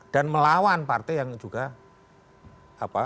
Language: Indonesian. dan melawan partai yang juga berkuasa loh